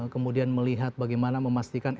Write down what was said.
kemudian melihat bagaimana memastikan